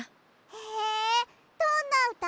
へえどんなうた？